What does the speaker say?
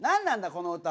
この歌は。